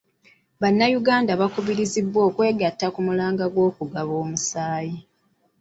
Bannayuganda bakubirizibwa okwegatta ku mulanga gw'okugaba omusaayi.